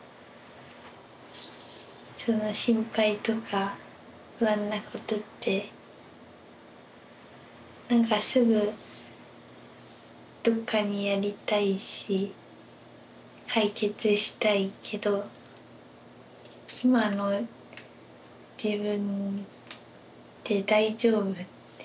その心配とか不安なことってなんかすぐどっかにやりたいし解決したいけど今の自分で大丈夫って気持ちにさせてくれる。